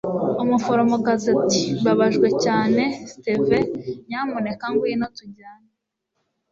umuforomokazi ati mbabajwe cyane, steve. nyamuneka ngwino tujyane